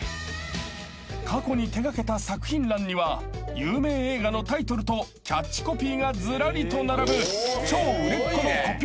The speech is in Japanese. ［過去に手掛けた作品欄には有名映画のタイトルとキャッチコピーがずらりと並ぶ超］